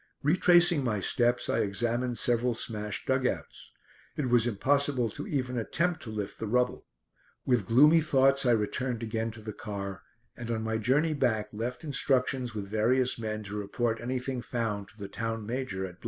Retracing my steps I examined several smashed dug outs. It was impossible to even attempt to lift the rubble. With gloomy thoughts I returned again to the car, and on my journey back left instructions with various men to report anything found to the town major at